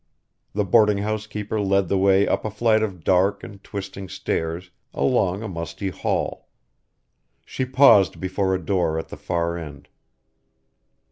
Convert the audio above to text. The boarding house keeper led the way up a flight of dark and twisting stairs, along a musty hall. She paused before a door at the far end.